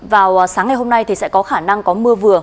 vào sáng ngày hôm nay thì sẽ có khả năng có mưa vừa